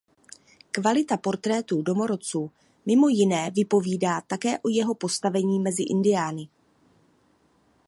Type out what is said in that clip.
Kvalita portrétů domorodců mimo jiné vypovídá také o jeho postavení mezi indiány.